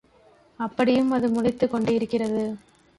அப்படியும் அது முளைத்துக் கொண்டே இருக்கிறது.